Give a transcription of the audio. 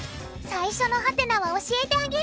最初のハテナは教えてあげる！